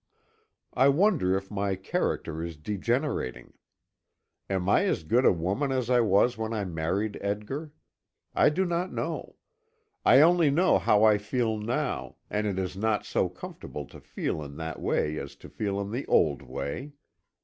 I wonder if my character is degenerating? Am I as good a woman as I was when I married Edgar? I do not know. I only know how I feel now, and it is not so comfortable to feel in that way as to feel in the old way.